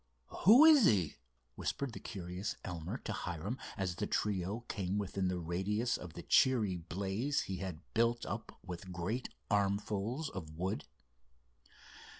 "Who is he?" whispered the curious Elmer to Hiram, as the trio came within the radius of the cheery blaze he had built up with great armfuls of wood.